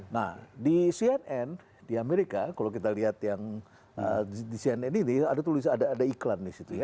nah di cnn di amerika kalau kita lihat yang di cnn ini ada tulis ada iklan di situ ya